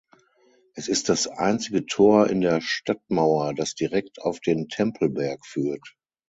Es ist das einzige Tor in der Stadtmauer, das direkt auf den Tempelberg führt.